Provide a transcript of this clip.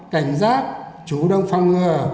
cảnh giác chủ động phong ngừa